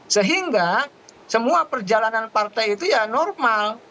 sehingga semua perjalanan partai itu ya normal